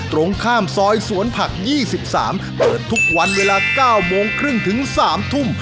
ตรงข้ามซอยสวนผักยี่สิบสามเปิดทุกวันเวลาเก้าโมงครึ่งถึงสามทุ่ม